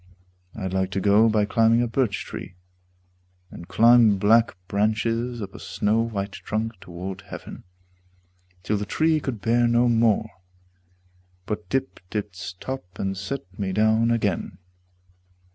I'd like to go by climbing a birch tree, And climb black branches up a snow white trunk Toward heaven, till the tree could bear no more, But dipped its top and set me down again.